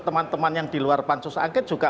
teman teman yang di luar pansus angket juga